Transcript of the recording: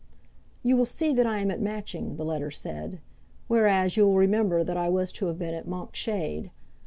"You will see that I am at Matching," the letter said, "whereas you will remember that I was to have been at Monkshade.